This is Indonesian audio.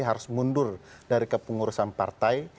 harus mundur dari kepengurusan partai